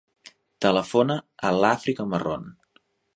Telefona a l'Àfrica Marron.